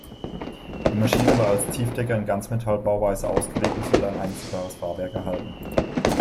Die Maschine war als Tiefdecker in Ganzmetallbauweise ausgelegt und sollte ein einziehbares Fahrwerk erhalten.